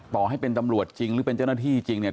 ต่อให้เป็นตำรวจจริงหรือเป็นเจ้าหน้าที่จริงเนี่ย